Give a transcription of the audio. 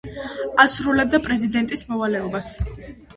ასრულებდა პრეზიდენტის მოვალეობას.